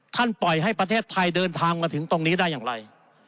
ปล่อยให้ประเทศไทยเดินทางมาถึงตรงนี้ได้อย่างไร